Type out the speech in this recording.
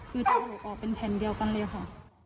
คือจะออกเป็นแผ่นเดียวกันเลยค่ะ